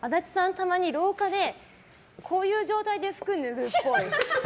たまに廊下で、こういう状態で服ぬぐっぽい。